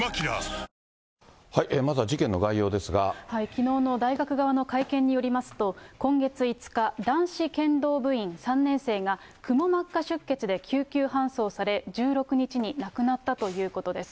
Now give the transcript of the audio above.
きのうの大学側の会見によりますと、今月５日、男子剣道部員３年生が、くも膜下出血で救急搬送され、１６日に亡くなったということです。